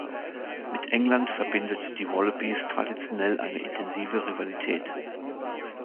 Mit England verbindet die „Wallabies“ traditionell eine intensive Rivalität.